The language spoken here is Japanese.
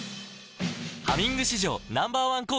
「ハミング」史上Ｎｏ．１抗菌